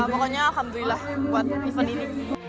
pokoknya alhamdulillah buat event ini